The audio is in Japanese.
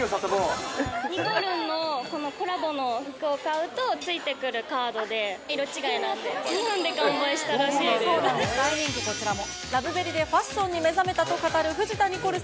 にこるんのこのコラボの服を買うとついてくるカードで、色違いなんで、２分で完売したら大人気、こちらも。